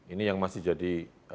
ini yang masih jadi